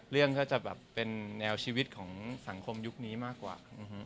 เรื่องก็จะแบบเป็นแนวชีวิตของสังคมยุคนี้มากกว่า